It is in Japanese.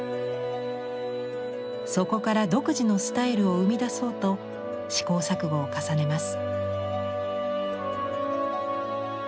そこから独自のスタイルを生み出そうと試行錯誤を重ねます。